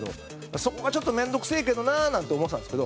そこが、ちょっと面倒くせえけどななんて思ってたんですけど。